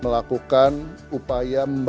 melakukan upaya untuk menjelaskan kepentingan kita